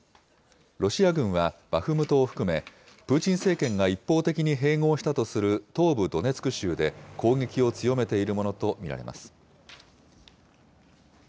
ロシア軍はバフムトを含め、プーチン政権が一方的に併合したとする東部ドネツク州で攻撃を強めているものと見られます。